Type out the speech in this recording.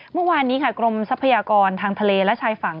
เมื่อวานนี้ค่ะกรมทรัพยากรทางทะเลและชายฝั่ง